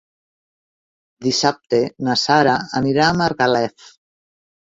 Dissabte na Sara anirà a Margalef.